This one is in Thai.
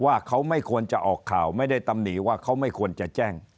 ว่าเขาไม่ควรจะออกข่าวไม่ได้ตำหนิว่าเขาไม่ควรจะแจ้ง